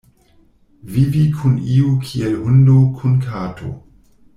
Vivi kun iu kiel hundo kun kato.